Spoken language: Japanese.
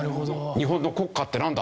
日本の国歌ってなんだ？